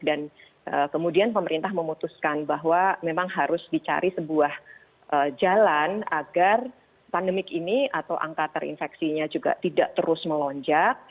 dan kemudian pemerintah memutuskan bahwa memang harus dicari sebuah jalan agar pandemik ini atau angka terinfeksinya juga tidak terus melonjak